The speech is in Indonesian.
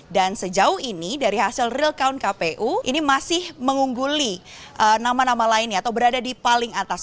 dan sejauh ini dari hasil real count kpu ini masih mengungguli nama nama lainnya atau berada di paling atas